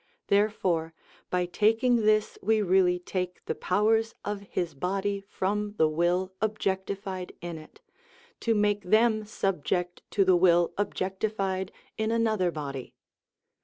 Therefore by taking this we really take the powers of his body from the will objectified in it, to make them subject to the will objectified in another body.